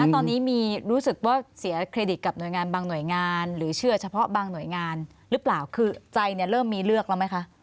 ตอนนี้มีรู้สึกว่าเสียเครดิตกับหน่วยงานบางหน่วยงานหรือเชื่อเฉพาะบางหน่วยงานหรือเปล่าคือใจเนี่ยเริ่มมีเลือกแล้วไหมคะ